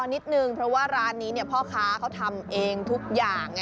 นิดนึงเพราะว่าร้านนี้พ่อค้าเขาทำเองทุกอย่าง